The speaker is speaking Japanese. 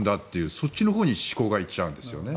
そっちのほうに思考が行っちゃうんですね。